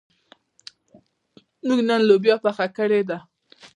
موږ نن لوبیا پخه کړې ده.